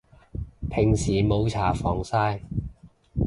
平時冇搽防曬